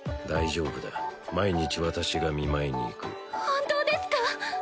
大丈夫だ毎日私が見舞いに行く本当ですか？